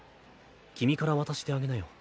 君から渡してあげなよ。